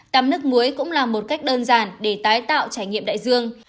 tắm nước muối cũng là một cách đơn giản để tái tạo trải nghiệm đại dương